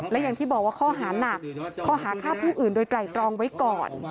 และอย่างที่บอกว่าข้อหานักข้อหาฆ่าผู้อื่นโดยไตรตรองไว้ก่อน